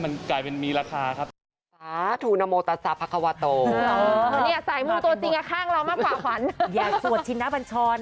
มันกลายเป็นมีราคาครับ